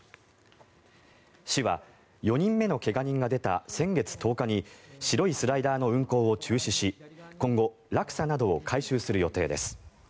市は、４人目の怪我人が出た先月１０日に白いスライダーの運行を中止し今後、落差などを改修する予定です。